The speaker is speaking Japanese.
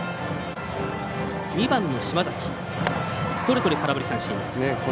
２番の島崎ストレートで空振り三振。